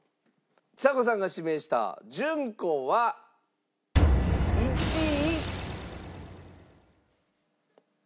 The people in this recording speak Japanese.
ちさ子さんが指名した『順子』は１位。